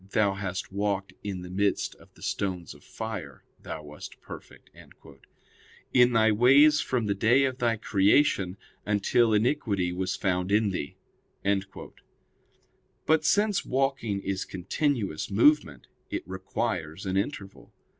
'Thou hast walked in the midst of the stones of fire; thou wast perfect ...'] in thy ways from the day of thy creation until iniquity was found in thee." But since walking is continuous movement, it requires an interval.